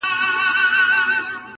نه پر چا احسان د سوځېدو لري!.